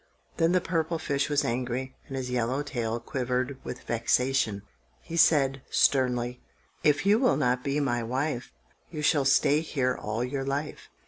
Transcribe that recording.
Then the purple fish was angry, and his yellow tail quivered with vexation. He said, sternly,— "If you will not be my wife, You shall stay here all your life!"